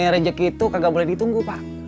rejek itu gak boleh ditunggu pak